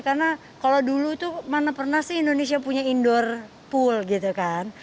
karena kalau dulu itu mana pernah sih indonesia punya indoor pool gitu kan